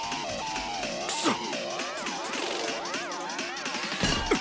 クソッ！